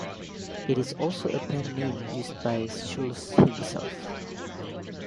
It is also a pen-name used by Schulze himself.